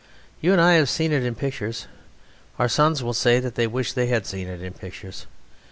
You and I have seen it in pictures. Our sons will say that they wish they had seen it in pictures.